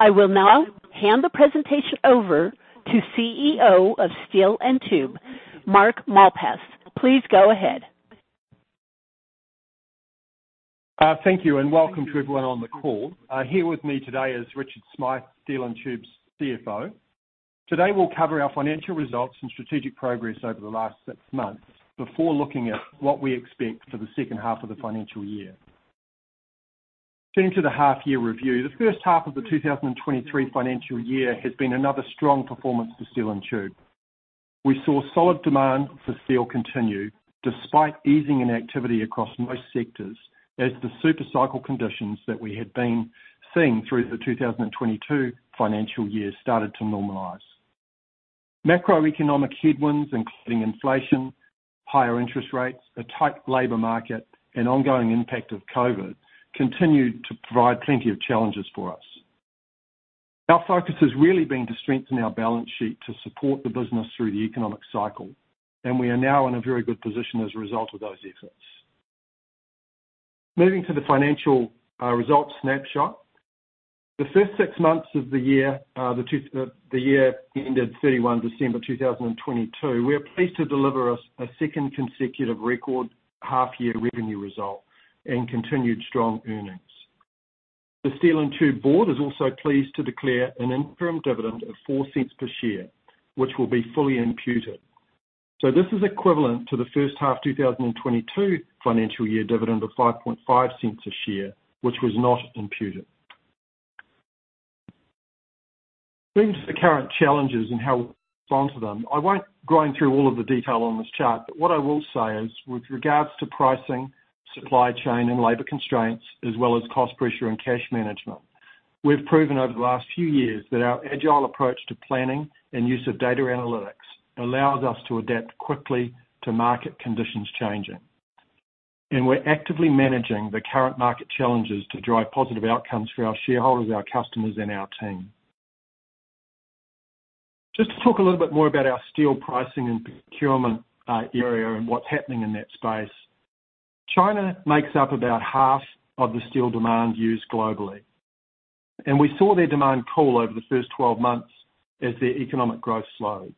I will now hand the presentation over to CEO of Steel & Tube, Mark Malpass. Please go ahead. Thank you, and welcome to everyone on the call. Here with me today is Richard Smyth, Steel & Tube's CFO. Today, we'll cover our financial results and strategic progress over the last six months before looking at what we expect for the second half of the financial year. Turning to the half year review, the first half of the 2023 financial year has been another strong performance for Steel & Tube. We saw solid demand for steel continue despite easing in activity across most sectors, as the super cycle conditions that we had been seeing through the 2022 financial year started to normalize. Macroeconomic headwinds, including inflation, higher interest rates, a tight labor market, and ongoing impact of COVID, continued to provide plenty of challenges for us. Our focus has really been to strengthen our balance sheet to support the business through the economic cycle, and we are now in a very good position as a result of those efforts. Moving to the financial results snapshot. The first six months of the year, the year ended 31 December 2022, we are pleased to deliver a second consecutive record half-year revenue result and continued strong earnings. The Steel & Tube board is also pleased to declare an interim dividend of 0.04 per share, which will be fully imputed. This is equivalent to the first half 2022 financial year dividend of 0.055 a share, which was not imputed. Turning to the current challenges and how to respond to them. I won't go in through all of the detail on this chart, but what I will say is, with regards to pricing, supply chain, and labor constraints, as well as cost pressure and cash management, we've proven over the last few years that our agile approach to planning and use of data analytics allows us to adapt quickly to market conditions changing. We're actively managing the current market challenges to drive positive outcomes for our shareholders, our customers, and our team. Just to talk a little bit more about our steel pricing and procurement area and what's happening in that space. China makes up about half of the steel demand used globally. We saw their demand fall over the first 12 months as their economic growth slowed.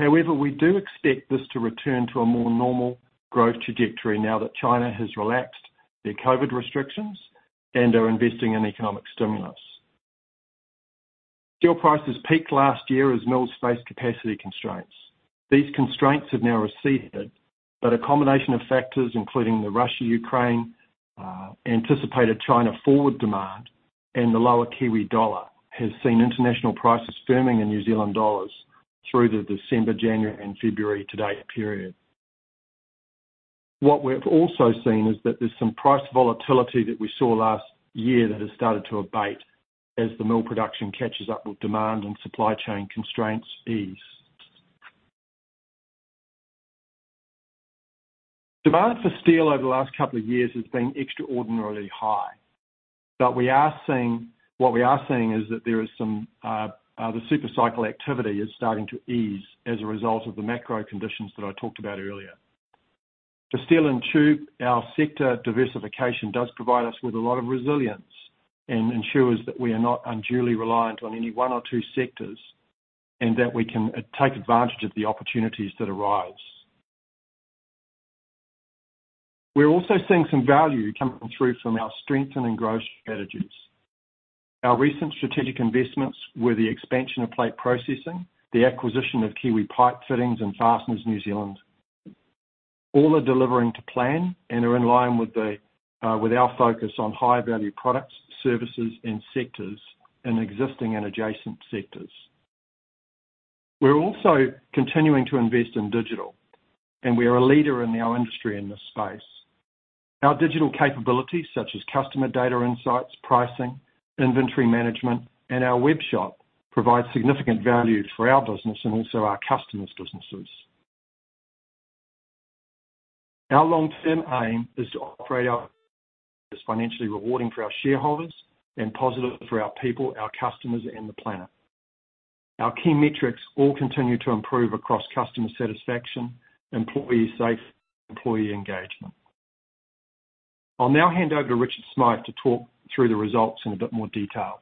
We do expect this to return to a more normal growth trajectory now that China has relaxed their COVID restrictions and are investing in economic stimulus. Steel prices peaked last year as mill space capacity constraints. These constraints have now receded, a combination of factors, including the Russia-Ukraine, anticipated China forward demand, and the lower Kiwi dollar, has seen international prices firming in New Zealand dollars through the December, January, and February to date period. What we've also seen is that there's some price volatility that we saw last year that has started to abate as the mill production catches up with demand and supply chain constraints ease. Demand for steel over the last couple of years has been extraordinarily high. What we are seeing is that there is some the super cycle activity is starting to ease as a result of the macro conditions that I talked about earlier. For Steel & Tube, our sector diversification does provide us with a lot of resilience and ensures that we are not unduly reliant on any one or two sectors and that we can take advantage of the opportunities that arise. We're also seeing some value coming through from our strength and growth strategies. Our recent strategic investments were the expansion of plate processing, the acquisition of Kiwi Pipe & Fittings and Fasteners NZ. All are delivering to plan and are in line with our focus on high-value products, services, and sectors in existing and adjacent sectors. We're also continuing to invest in digital. We are a leader in our industry in this space. Our digital capabilities, such as customer data insights, pricing, inventory management, and our webshop, provide significant value for our business and also our customers' businesses. Our long-term aim is as financially rewarding for our shareholders and positive for our people, our customers, and the planet. Our key metrics all continue to improve across customer satisfaction, employee safety, employee engagement. I'll now hand over to Richard Smyth to talk through the results in a bit more detail.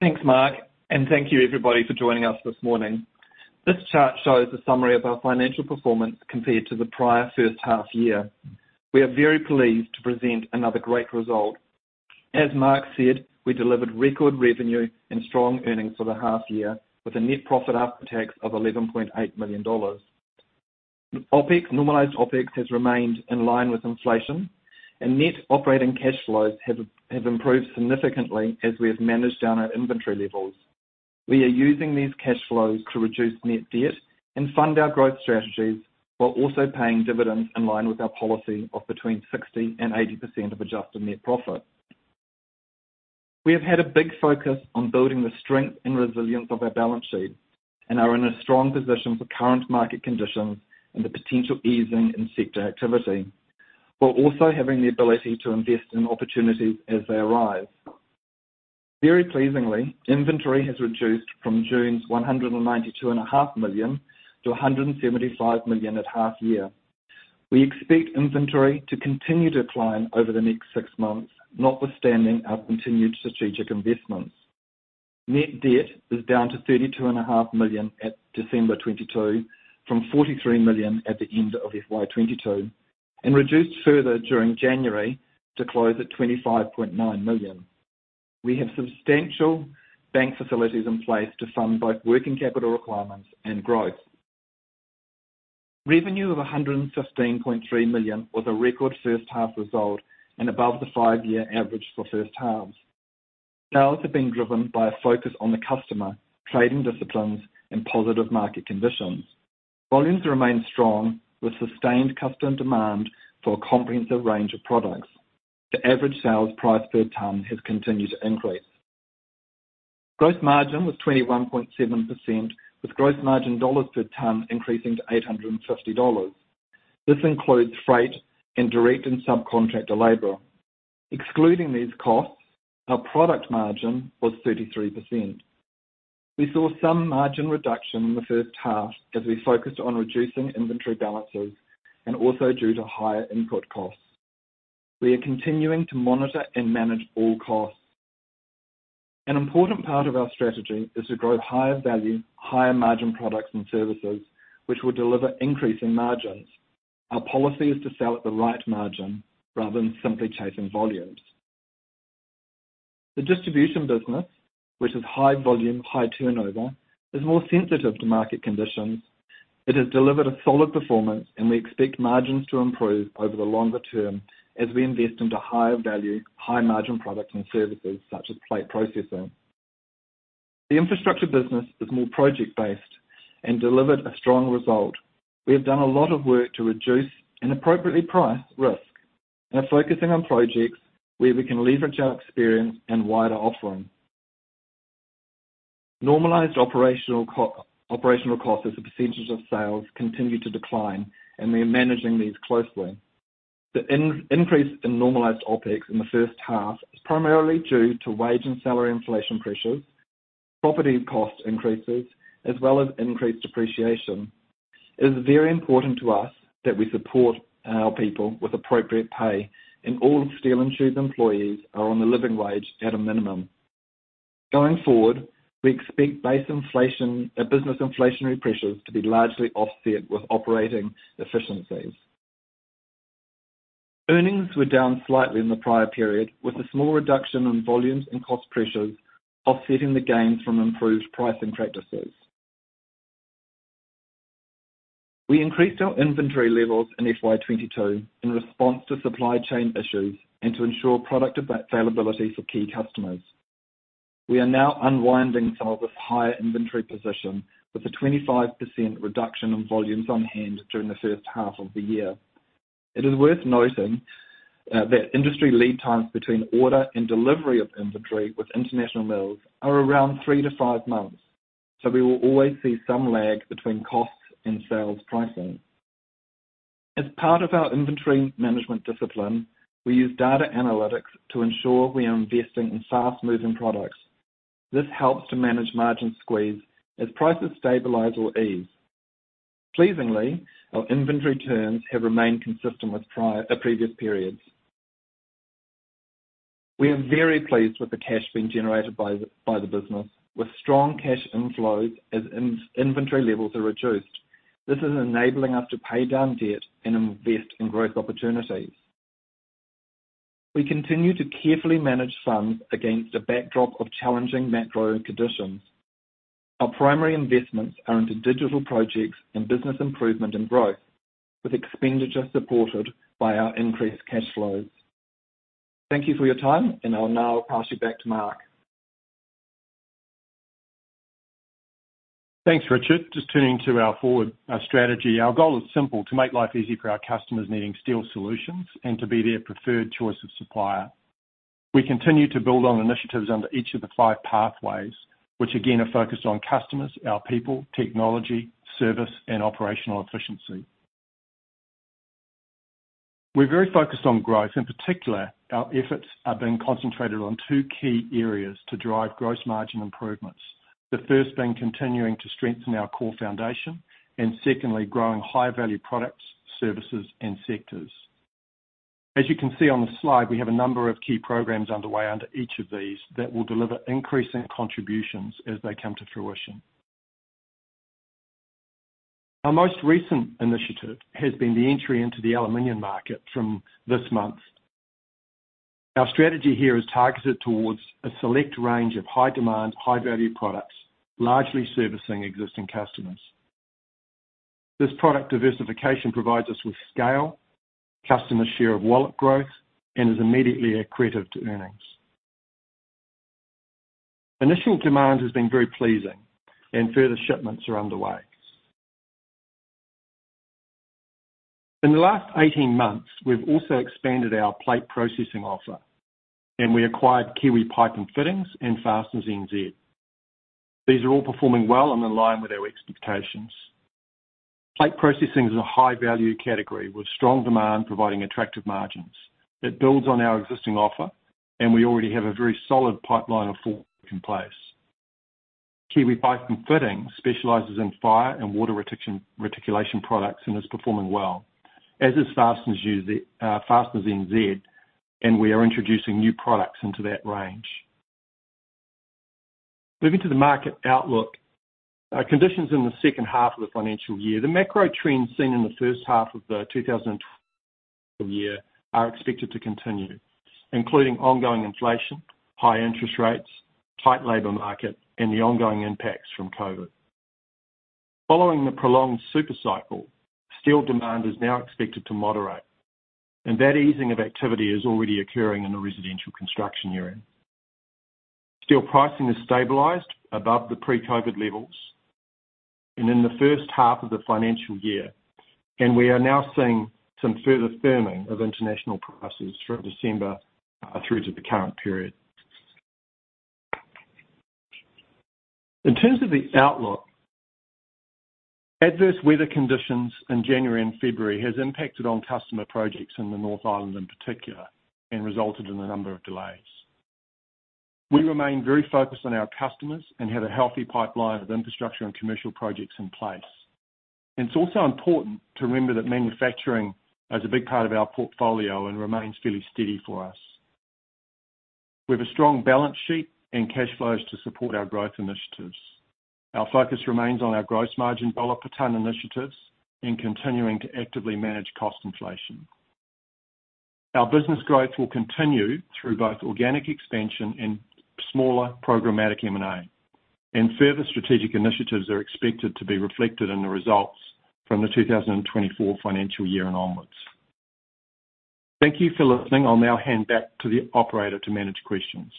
Thanks, Mark, and thank you everybody for joining us this morning. This chart shows a summary of our financial performance compared to the prior first half year. We are very pleased to present another great result. As Mark said, we delivered record revenue and strong earnings for the half year with a net profit after tax of 11.8 million dollars. OPEX, normalized OPEX has remained in line with inflation and net operating cash flows have improved significantly as we have managed down our inventory levels. We are using these cash flows to reduce net debt and fund our growth strategies, while also paying dividends in line with our policy of between 60% and 80% of adjusted net profit. We have had a big focus on building the strength and resilience of our balance sheet and are in a strong position for current market conditions and the potential easing in sector activity, while also having the ability to invest in opportunities as they arise. Very pleasingly, inventory has reduced from June's 192.5 million to 175 million at half year. We expect inventory to continue to decline over the next six months, notwithstanding our continued strategic investments. Net debt is down to 32.5 million at December 2022 from 43 million at the end of FY 2022, and reduced further during January to close at 25.9 million. We have substantial bank facilities in place to fund both working capital requirements and growth. Revenue of 115.3 million was a record first half result and above the five-year average for first halves. Sales have been driven by a focus on the customer, trading disciplines and positive market conditions. Volumes remain strong with sustained customer demand for a comprehensive range of products. The average sales price per ton has continued to increase. Gross margin was 21.7%, with gross margin dollar per ton increasing to 850 dollars. This includes freight and direct and subcontractor labor. Excluding these costs, our product margin was 33%. We saw some margin reduction in the first half as we focused on reducing inventory balances and also due to higher input costs. We are continuing to monitor and manage all costs. An important part of our strategy is to grow higher value, higher margin products and services, which will deliver increasing margins. Our policy is to sell at the right margin rather than simply chasing volumes. The distribution business, which is high volume, high turnover, is more sensitive to market conditions. It has delivered a solid performance, and we expect margins to improve over the longer term as we invest into higher value, high margin products and services such as plate processing. The infrastructure business is more project-based and delivered a strong result. We have done a lot of work to reduce and appropriately price risk and are focusing on projects where we can leverage our experience and wider offering. Normalized operational costs as a percentage of sales continue to decline, and we are managing these closely. The increase in normalized OpEx in the first half is primarily due to wage and salary inflation pressures, property cost increases, as well as increased depreciation. It is very important to us that we support our people with appropriate pay. All of Steel & Tube employees are on the Living Wage at a minimum. Going forward, we expect base inflation, business inflationary pressures to be largely offset with operating efficiencies. Earnings were down slightly in the prior period, with a small reduction in volumes and cost pressures offsetting the gains from improved pricing practices. We increased our inventory levels in FY 2022 in response to supply chain issues and to ensure product availability for key customers. We are now unwinding some of this higher inventory position with a 25% reduction in volumes on hand during the first half of the year. It is worth noting that industry lead times between order and delivery of inventory with international mills are around three to five months, so we will always see some lag between costs and sales pricing. As part of our inventory management discipline, we use data analytics to ensure we are investing in fast-moving products. This helps to manage margin squeeze as prices stabilize or ease. Pleasingly, our inventory turns have remained consistent with prior previous periods. We are very pleased with the cash being generated by the business, with strong cash inflows as in-inventory levels are reduced. This is enabling us to pay down debt and invest in growth opportunities. We continue to carefully manage funds against a backdrop of challenging macro conditions. Our primary investments are into digital projects and business improvement and growth, with expenditure supported by our increased cash flows. Thank you for your time, and I'll now pass you back to Mark. Thanks, Richard. Just turning to our forward strategy. Our goal is simple: to make life easy for our customers needing steel solutions and to be their preferred choice of supplier. We continue to build on initiatives under each of the five pathways, which again are focused on customers, our people, technology, service and operational efficiency. We're very focused on growth. In particular, our efforts are being concentrated on two key areas to drive gross margin improvements. The first being continuing to strengthen our core foundation, and secondly, growing higher-value products, services and sectors. As you can see on the slide, we have a number of key programs underway under each of these that will deliver increasing contributions as they come to fruition. Our most recent initiative has been the entry into the aluminum market from this month. Our strategy here is targeted towards a select range of high demand, high value products, largely servicing existing customers. This product diversification provides us with scale, customer share of wallet growth, and is immediately accretive to earnings. Initial demand has been very pleasing and further shipments are underway. In the last 18 months, we've also expanded our plate processing offer, and we acquired Kiwi Pipe & Fittings and Fasteners NZ. These are all performing well and in line with our expectations. Plate processing is a high value category with strong demand providing attractive margins. It builds on our existing offer, and we already have a very solid pipeline of work in place. Kiwi Pipe & Fittings specializes in fire and water reticulation products and is performing well, as is Fasteners NZ, and we are introducing new products into that range. Moving to the market outlook. Our conditions in the second half of the financial year. The macro trends seen in the first half of the 2023 financial year are expected to continue, including ongoing inflation, high interest rates, tight labor market, and the ongoing impacts from COVID. Following the prolonged super cycle, steel demand is now expected to moderate, and that easing of activity is already occurring in the residential construction area. Steel pricing has stabilized above the pre-COVID levels and in the first half of the financial year. We are now seeing some further firming of international prices from December through to the current period. In terms of the outlook, adverse weather conditions in January and February has impacted on customer projects in the North Island in particular and resulted in a number of delays. We remain very focused on our customers and have a healthy pipeline of infrastructure and commercial projects in place. It's also important to remember that manufacturing is a big part of our portfolio and remains fairly steady for us. We have a strong balance sheet and cash flows to support our growth initiatives. Our focus remains on our gross margin dollar per ton initiatives and continuing to actively manage cost inflation. Our business growth will continue through both organic expansion and smaller programmatic M&A, and further strategic initiatives are expected to be reflected in the results from the 2024 financial year and onwards. Thank you for listening. I'll now hand back to the operator to manage questions.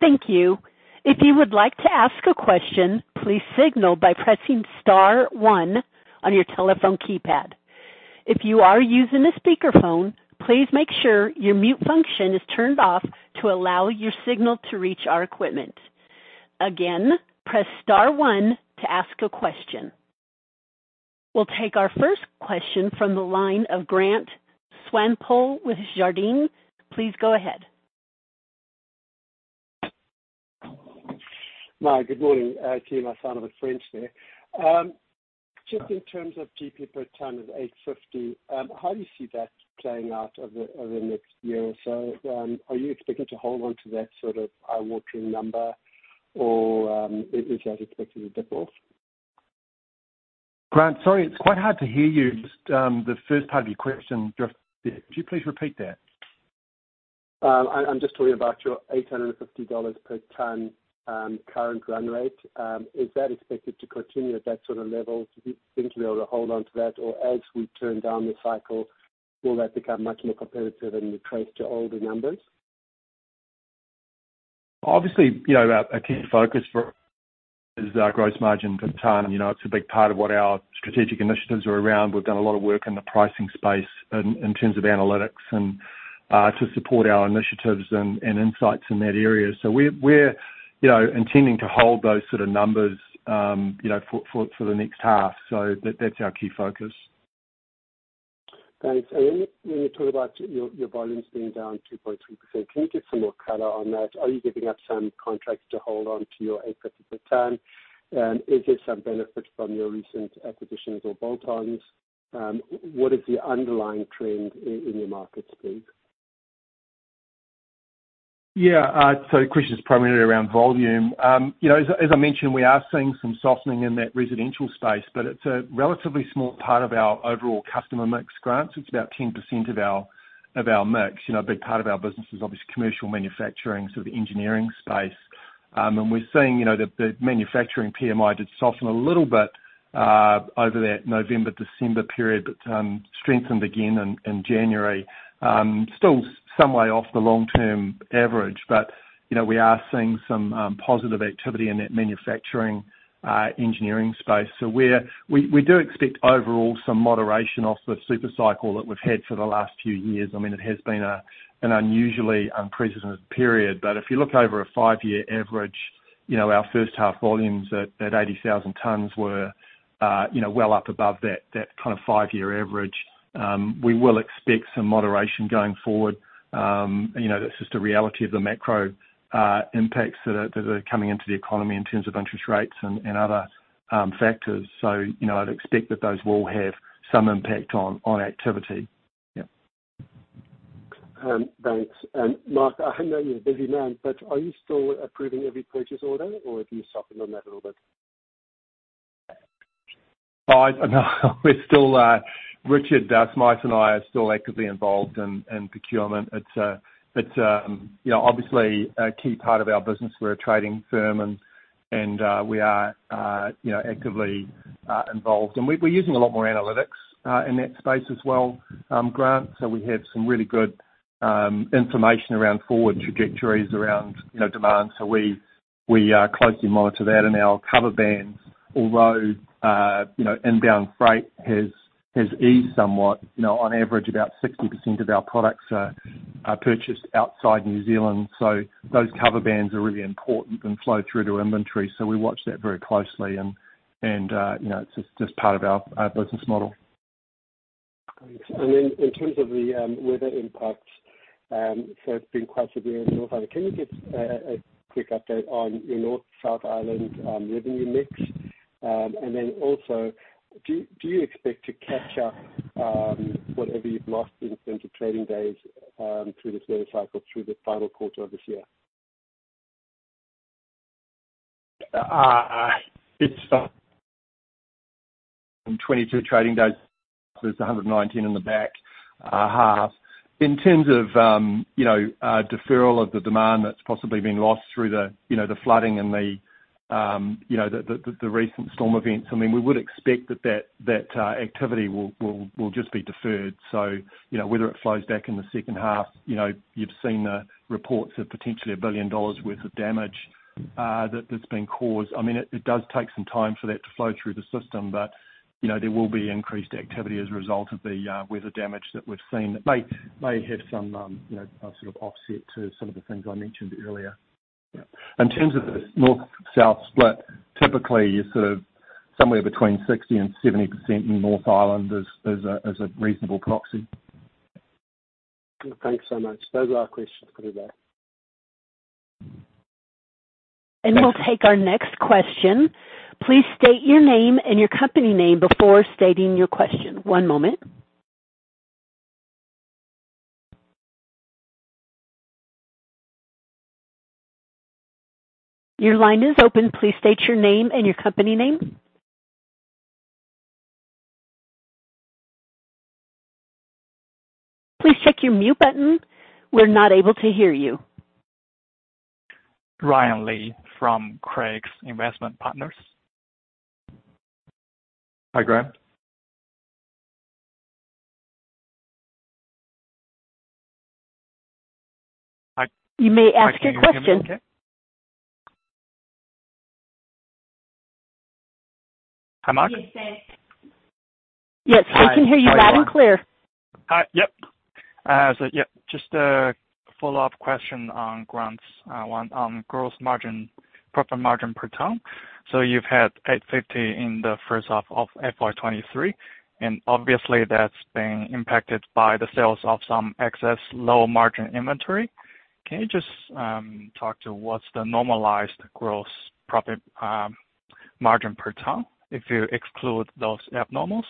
Thank you. If you would like to ask a question, please signal by pressing star one on your telephone keypad. If you are using a speakerphone, please make sure your mute function is turned off to allow your signal to reach our equipment. Again, press star one to ask a question. We'll take our first question from the line of Grant Swanepoel with Jarden. Please go ahead. Mark, good morning. Excuse my son of a French there. Just in terms of GP per ton of 850, how do you see that playing out over the next year or so? Are you expecting to hold on to that sort of eye-watering number or, is that expected to dip off? Grant, sorry, it's quite hard to hear you. Just, the first part of your question drifted. Could you please repeat that? I'm just talking about your 850 dollars per ton, current run rate. Is that expected to continue at that sort of level? Do you think you'll be able to hold on to that? As we turn down the cycle, will that become much more competitive and trace to older numbers? Obviously, you know, a key focus for is our gross margin per ton. You know, it's a big part of what our strategic initiatives are around. We've done a lot of work in the pricing space in terms of analytics and to support our initiatives and insights in that area. We're, you know, intending to hold those sort of numbers, you know, for the next half. That's our key focus. Thanks. When you talk about your volumes being down 2.2%, can you give some more color on that? Are you giving up some contracts to hold on to your NZD 850 per ton? Is there some benefit from your recent acquisitions or bolt-ons? What is the underlying trend in the markets please? Yeah. The question is primarily around volume. You know, as I mentioned, we are seeing some softening in that residential space, but it's a relatively small part of our overall customer mix, Grant. It's about 10% of our, of our mix. You know, a big part of our business is obviously commercial manufacturing, so the engineering space. We're seeing, you know, the manufacturing PMI did soften a little bit over that November, December period, but strengthened again in January. Still some way off the long-term average, but, you know, we are seeing some positive activity in that manufacturing, engineering space. We do expect overall some moderation off the super cycle that we've had for the last few years. I mean, it has been an unusually unprecedented period. If you look over a five-year average, you know, our first half volumes at 80,000 tons were, you know, well up above that kind of five-year average. We will expect some moderation going forward. You know, that's just the reality of the macro impacts that are coming into the economy in terms of interest rates and other factors. You know, I'd expect that those will have some impact on activity. Yeah. Thanks. Mark, I know you're a busy man, but are you still approving every purchase order or have you softened on that a little bit? No. We're still Richard Smyth and I are still actively involved in procurement. It's, you know, obviously a key part of our business. We're a trading firm and we are, you know, actively involved. We're using a lot more analytics in that space as well, Grant, so we have some really good information around forward trajectories around, you know, demand. We closely monitor that in our cover bands. Although, you know, inbound freight has eased somewhat. You know, on average, about 60% of our products are purchased outside New Zealand. Those cover bands are really important and flow through to inventory. We watch that very closely and, you know, it's just part of our business model. In terms of the weather impact, so it's been quite severe in North Island. Can you give a quick update on your North/South Island revenue mix? Also, do you expect to catch up whatever you've lost in terms of trading days through this weather cycle, through the final quarter of this year? It's from 2022 trading days, there's 119 in the back half. In terms of, you know, deferral of the demand that's possibly been lost through the, you know, the flooding and the, you know, the recent storm events, I mean, we would expect that activity will just be deferred. You know, whether it flows back in the second half, you know, you've seen the reports of potentially 1 billion dollars worth of damage that's been caused. I mean, it does take some time for that to flow through the system. You know, there will be increased activity as a result of the weather damage that we've seen that may have some, you know, sort of offset to some of the things I mentioned earlier. In terms of the North/South split, typically you're sort of somewhere between 60% and 70% in North Island as a, as a reasonable proxy. Thanks so much. Those are our questions for today. We'll take our next question. Please state your name and your company name before stating your question. One moment. Your line is open. Please state your name and your company name. Please check your mute button. We're not able to hear you. Ryan Lee from Craigs Investment Partners. Hi, Ryan. You may ask your question. Hi, Mark. Yes. We can hear you loud and clear. Hi. Yep. Yeah, just a follow-up question on Grant's one on gross margin, profit margin per ton. You've had 850 in the first half of FY 2023, and obviously that's been impacted by the sales of some excess low margin inventory. Can you just talk to what's the normalized gross profit margin per ton if you exclude those abnormals?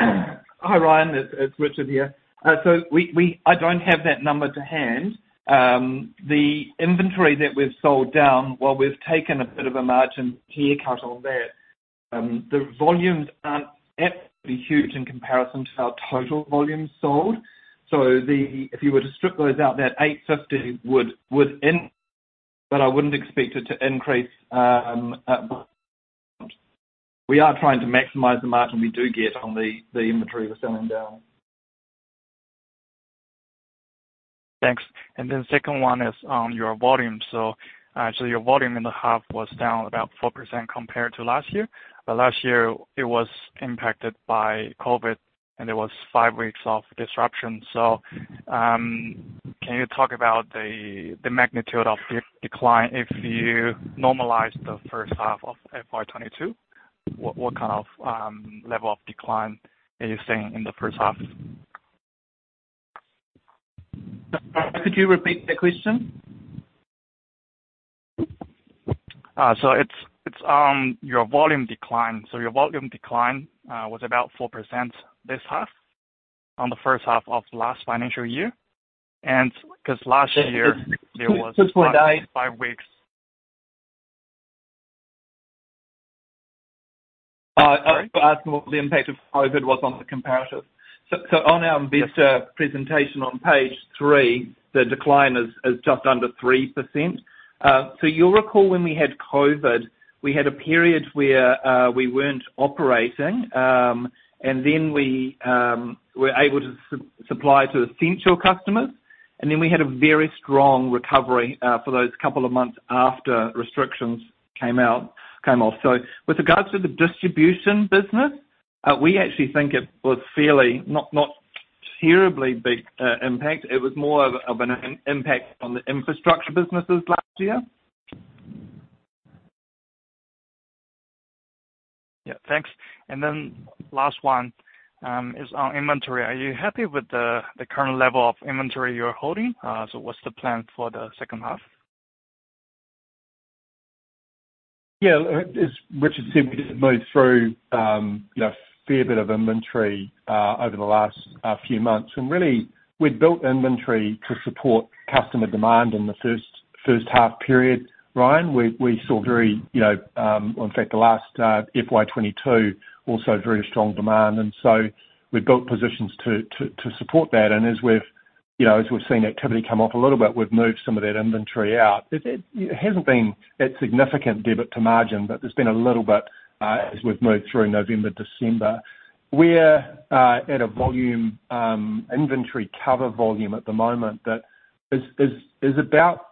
Hi, Ryan, it's Richard here. I don't have that number to hand. The inventory that we've sold down while we've taken a bit of a margin haircut on that, the volumes aren't absolutely huge in comparison to our total volumes sold. If you were to strip those out, that 850 would end, but I wouldn't expect it to increase. We are trying to maximize the margin we do get on the inventory we're selling down. Thanks. Second one is on your volume. Actually, your volume in the half was down about 4% compared to last year. Last year it was impacted by COVID, and there was five weeks of disruption. Can you talk about the magnitude of the decline if you normalize the first half of FY 2022? What kind of level of decline are you seeing in the first half? Could you repeat the question? It's on your volume decline. Your volume decline was about 4% this half on the first half of last financial year. Are you asking what the impact of COVID was on the comparatives? On our investor presentation on Page three, the decline is just under 3%. You'll recall when we had COVID, we had a period where we weren't operating, and then we were able to supply to essential customers. We had a very strong recovery for those couple of months after restrictions came off. With regards to the distribution business, we actually think it was fairly not terribly big impact. It was more of an impact on the infrastructure businesses last year. Yeah, thanks. Last one is on inventory. Are you happy with the current level of inventory you're holding? What's the plan for the second half? As Richard said, we moved through, you know, a fair bit of inventory over the last few months. Really we'd built inventory to support customer demand in the first half period, Ryan. We saw very, you know, in fact the last FY 2022, also very strong demand. So we built positions to support that. As we've, you know, as we've seen activity come off a little bit, we've moved some of that inventory out. It hasn't been a significant debit to margin, but there's been a little bit as we've moved through November, December. We're at a volume, inventory cover volume at the moment that is about,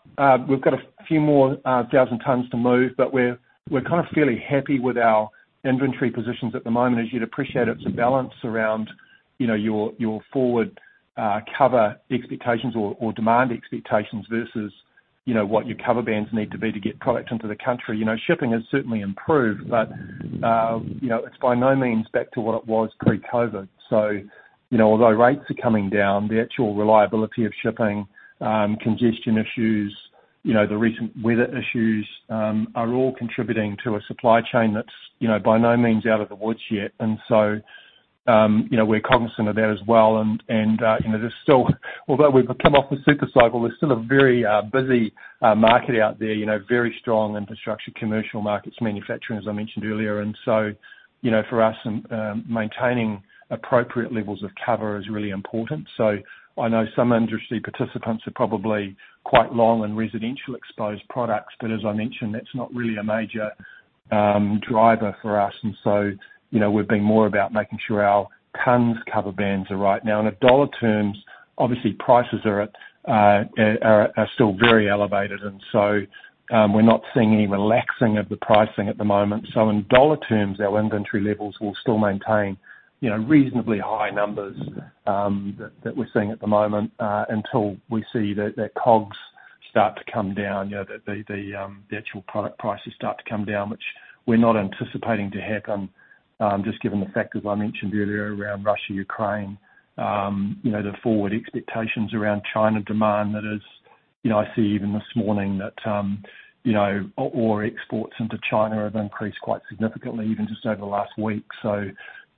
we've got a few more thousand tons to move, but we're kind of fairly happy with our inventory positions at the moment. As you'd appreciate, it's a balance around, you know, your forward-cover expectations or demand expectations versus, you know, what your cover bands need to be to get product into the country. You know, shipping has certainly improved, but, you know, it's by no means back to what it was pre-COVID. Although rates are coming down, the actual reliability of shipping, congestion issues, you know, the recent weather issues, are all contributing to a supply chain that's, you know, by no means out of the woods yet. We're cognizant of that as well. You know, there's still although we've come off the super cycle, there's still a very busy market out there, you know, very strong infrastructure, commercial markets, manufacturing, as I mentioned earlier. You know, for us, maintaining appropriate levels of cover is really important. So I know some industry participants are probably quite long on residential exposed products. As I mentioned, that's not really a major driver for us. You know, we're being more about making sure our tons cover bands are right. Now in dollar terms, obviously prices are still very elevated. We're not seeing any relaxing of the pricing at the moment. In dollar terms, our inventory levels will still maintain, you know, reasonably high numbers that we're seeing at the moment, until we see that COGS start to come down. You know, the actual product prices start to come down, which we're not anticipating to happen, just given the factors I mentioned earlier around Russia, Ukraine, you know, the forward expectations around China demand. That is, you know, I see even this morning that, you know, oil exports into China have increased quite significantly, even just over the last week.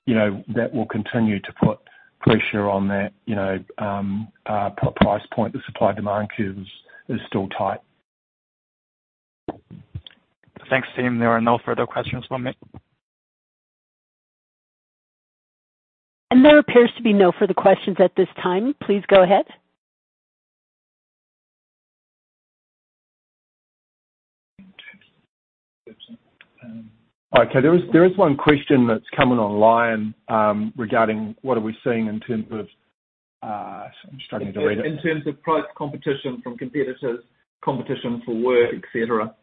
You know, that will continue to put pressure on that, you know, price point. The supply demand curve is still tight. Thanks, team. There are no further questions for me. There appears to be no further questions at this time. Please go ahead. Okay. There is one question that's come in online, regarding what are we seeing in terms of, I'm struggling to read it. In terms of price competition from competitors, competition for work, et cetera.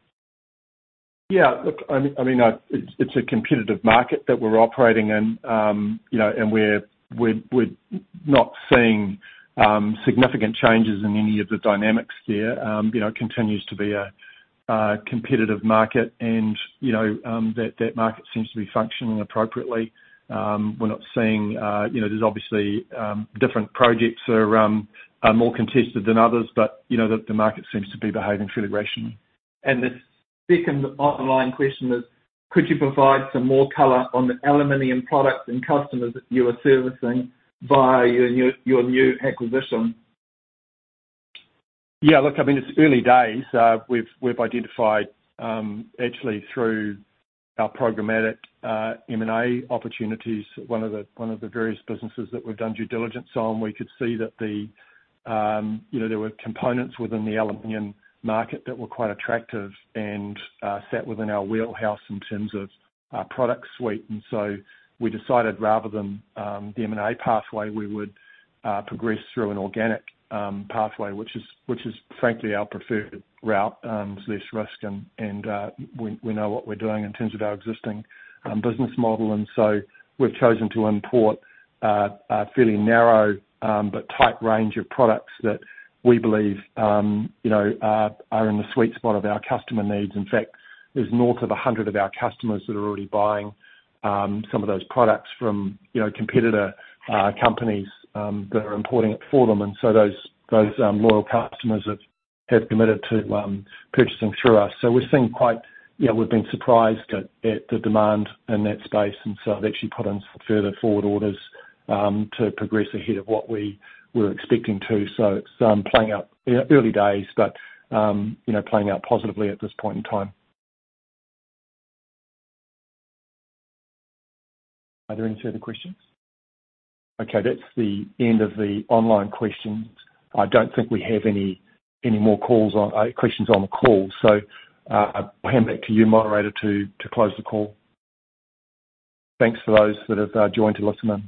Look, I mean, it's a competitive market that we're operating in, you know, and we're not seeing significant changes in any of the dynamics there. You know, it continues to be a competitive market and, you know, that market seems to be functioning appropriately. We're not seeing, you know, there's obviously different projects are more contested than others, but, you know, the market seems to be behaving fairly rationally. The second online question is, could you provide some more color on the aluminum products and customers that you are servicing by your new acquisition? Yeah, look, I mean, it's early days. We've identified, actually through our programmatic M&A opportunities, one of the various businesses that we've done due diligence on, we could see that the, you know, there were components within the aluminum market that were quite attractive and sat within our wheelhouse in terms of our product suite. We decided rather than the M&A pathway, we would progress through an organic pathway, which is frankly our preferred route, less risk. We know what we're doing in terms of our existing business model. We've chosen to import a fairly narrow but tight range of products that we believe, you know, are in the sweet spot of our customer needs. In fact, there's north of 100 of our customers that are already buying some of those products from competitor companies that are importing it for them. Those loyal customers have committed to purchasing through us. We're seeing quite. We've been surprised at the demand in that space. I've actually put in some further forward orders to progress ahead of what we were expecting to. It's playing out early days, but playing out positively at this point in time. Are there any further questions? Okay, that's the end of the online questions. I don't think we have any more calls on questions on the call. I'll hand back to you, moderator, to close the call. Thanks to those that have joined and listened in.